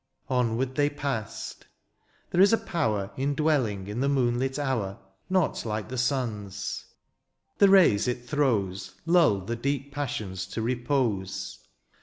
Onward they passed. There is a power Indwelling in the moonlit hour. Not like the sun's ; the rays it throws Lull the deep passions to repose.